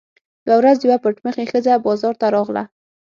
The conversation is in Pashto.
یوه ورځ یوه پټ مخې ښځه بازار ته راغله.